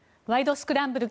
スクランブル」